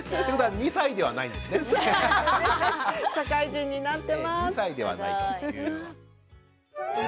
２歳ではないという。